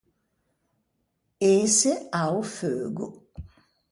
Ëse a-o feugo.